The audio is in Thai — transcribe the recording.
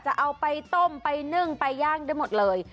จะเอาไปต้มไปนึ่งไปย่างได้หมดเลย